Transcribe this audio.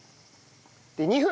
で２分。